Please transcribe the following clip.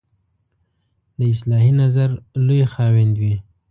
د اصلاحي نظر لوی خاوند وي.